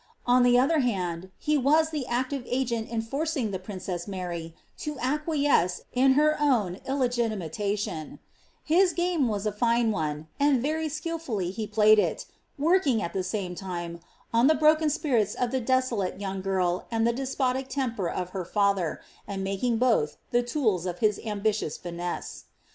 On the other hand, he was the active agent in forcing the princess Mary to acquiesce in her own illegitimation : his game was a fine one, and very skilfully he glayed it, working, at the same time, on the broken spirits of the deso Lte young girl and the despotic temper of her lather, and making both the tools of his ambitious finesse.